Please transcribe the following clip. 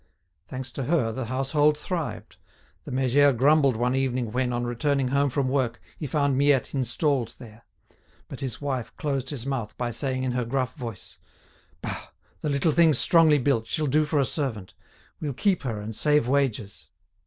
Thanks to her, the household thrived. The méger grumbled one evening when, on returning home from work, he found Miette installed there. But his wife closed his mouth by saying in her gruff voice: "Bah, the little thing's strongly built, she'll do for a servant; we'll keep her and save wages."